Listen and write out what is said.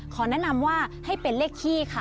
ขอแนะนำว่าให้เป็นเลขที่ค่ะ